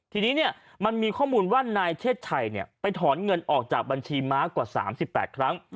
ทีนี้มันมีข้อมูลว่านายเชศชัยไปถอนเงินออกจากบัญชีม้ากว่า๓๘ครั้ง